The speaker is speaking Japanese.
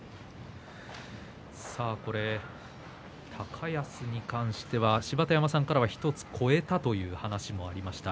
さあ、これで高安に関しては芝田山さんからは１つ越えたという話もありました。